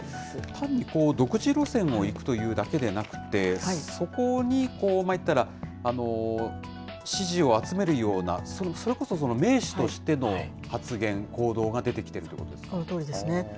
単に独自路線を行くというだけでなくって、そこに、まあ、いったら、支持を集めるような、それこそ盟主としての発言、行動が出てきてそのとおりですね。